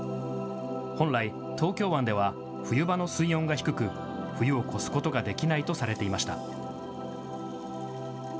本来、東京湾では冬場の水温が低く冬を越すことができないとされていました。